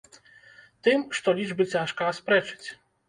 Тым, што лічбы цяжка аспрэчыць.